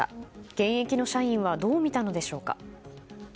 現役の社員はどう見たのでしょうか。